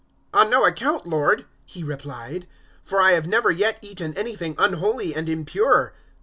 010:014 "On no account, Lord," he replied; "for I have never yet eaten anything unholy and impure."